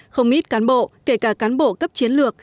không ít cán bộ kể cả cán bộ cấp chiến lược